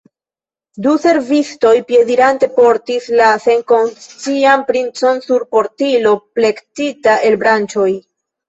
Du servistoj piedirante portis la senkonscian princon sur portilo, plektita el branĉoj.